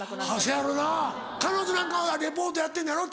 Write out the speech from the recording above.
せやろな彼女なんかはリポートやってんねやろ？